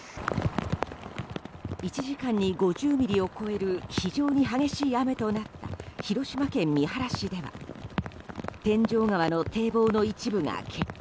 １時間に５０ミリを超える非常に激しい雨となった広島県三原市では天井川の堤防の一部が決壊。